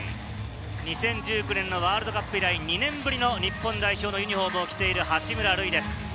２０１９年のワールドカップ以来、２年ぶりの日本代表のユニホームを着ている八村塁です。